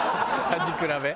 味比べ？